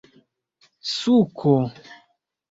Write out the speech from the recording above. suko